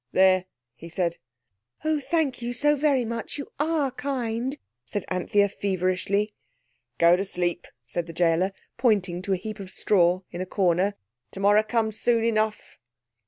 "There," he said. "Oh, thank you so very much. You are kind," said Anthea feverishly. "Go to sleep," said the gaoler, pointing to a heap of straw in a corner; "tomorrow comes soon enough."